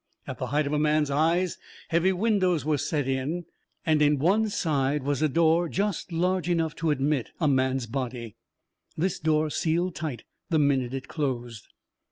At the height of a man's eyes heavy windows were set in, and in one side was a door just large enough to admit a man's body. This door sealed tight the minute it closed.